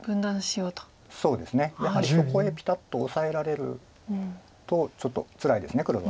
そうですねやはりそこへピタッとオサえられるとちょっとつらいです黒は。